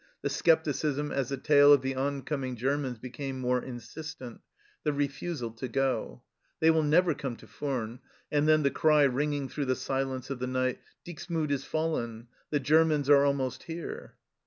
The scepticism as the tale of the oncoming Germans became more insistent ; the refusal to go. " They will never come to Furnes," and then the cry ringing through the silence of the night :" Dixmude is fallen ; the Germans are almost here."